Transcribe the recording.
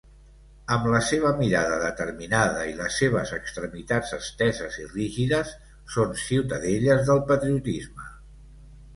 Amb la seva mirada determinada i les seves extremitats esteses i rígides, són ciutadelles del patriotisme.